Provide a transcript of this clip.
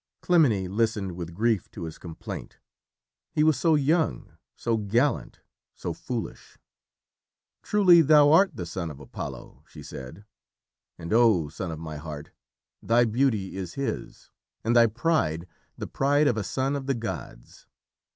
Clymene listened with grief to his complaint. He was so young, so gallant, so foolish. "Truly thou art the son of Apollo," she said, "and oh, son of my heart, thy beauty is his, and thy pride the pride of a son of the gods.